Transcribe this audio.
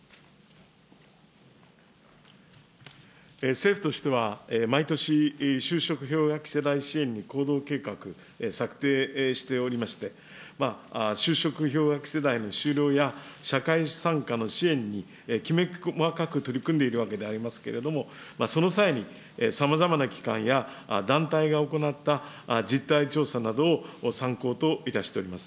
政府としては、毎年、就職氷河期世代支援の行動計画策定しておりまして、就職氷河期世代の就労や、社会参加の支援にきめ細かく取り組んでいるわけでありますけれども、その際に、さまざまな機関や団体が行った実態調査などを参考といたしております。